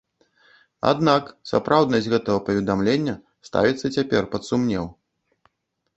Аднак, сапраўднасць і гэтага паведамлення ставіцца цяпер пад сумнеў.